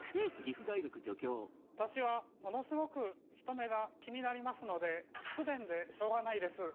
私はものすごく人目が気になりますので不便でしょうがないです。